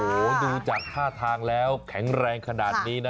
โอ้โหดูจากท่าทางแล้วแข็งแรงขนาดนี้นะ